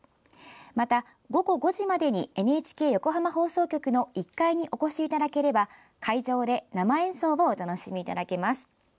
また、午後５時までにＮＨＫ横浜放送局の１階にお越しいただければ会場で生演奏をお楽しみいただけます。